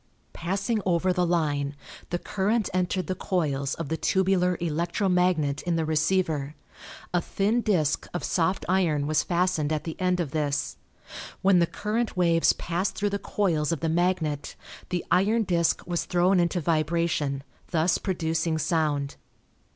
Passing over the line the current entered the coils of the tubular electro magnet in the receiver. A thin disk of soft iron was fastened at the end of this. When the current waves passed through the coils of the magnet the iron disk was thrown into vibration, thus producing sound.